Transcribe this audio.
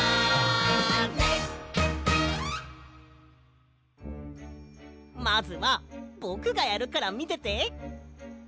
まずはぼくがやるからみてて！